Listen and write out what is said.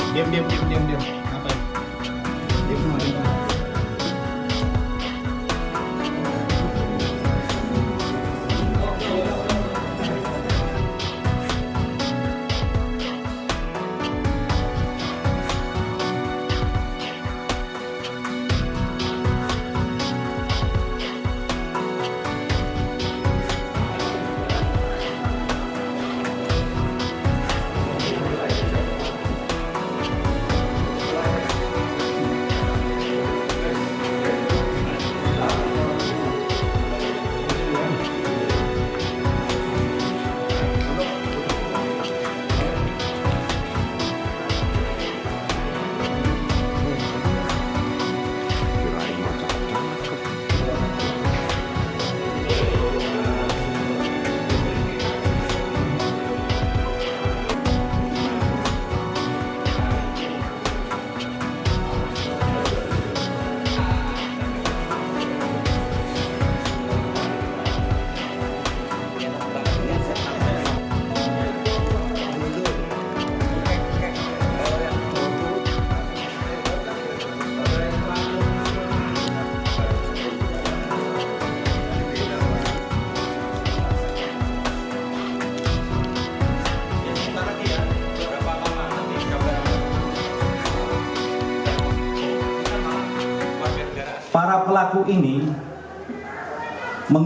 diam diam diam